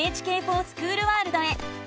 「ＮＨＫｆｏｒＳｃｈｏｏｌワールド」へ。